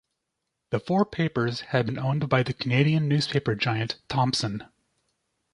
The four papers had been owned by the Canadian newspaper giant Thomson.